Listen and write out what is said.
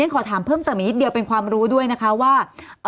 ขอถามเพิ่มเติมอีกนิดเดียวเป็นความรู้ด้วยนะคะว่า